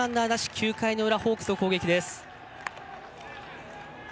９回の裏ホークスの攻撃です。